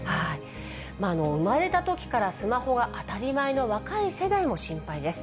生まれたときからスマホが当たり前の若い世代も心配です。